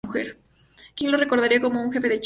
King lo recordaría como el "Jefe de Chicago".